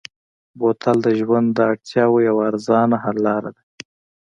بوتل د ژوند د اړتیاوو یوه ارزانه حل لاره ده.